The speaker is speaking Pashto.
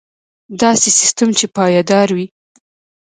داسې سیستم چې پایدار وي.